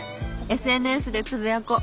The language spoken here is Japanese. ＳＮＳでつぶやこう。